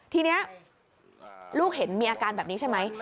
ทีนี้ลูกเห็นมีอาการแบบนี้ใช่ไหม